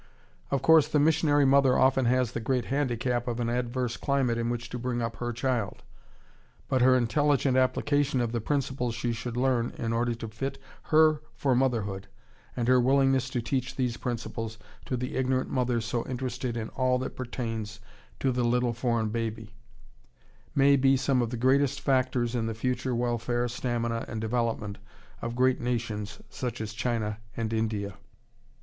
Of course the missionary mother often has the great handicap of an adverse climate in which to bring up her child. But her intelligent application of the principles she should learn in order to fit her for motherhood, and her willingness to teach these principles to the ignorant mothers so interested in all that pertains to the little foreign baby, may be some of the greatest factors in the future welfare, stamina, and development of great nations such as China and India.